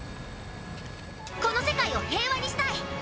この世界を平和にしたい。